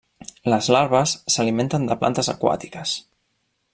Les larves s'alimenten de plantes aquàtiques.